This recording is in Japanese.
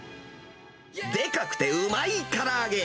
でかくてうまいから揚げ。